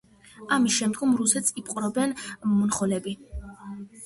ამის შემდგომ რუსეთს იპყრობენ მონღოლები.